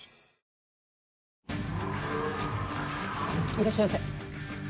いらっしゃいませ。